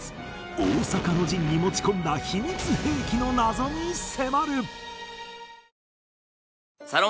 大坂の陣に持ち込んだ秘密兵器の謎に迫る